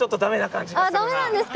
あっダメなんですか？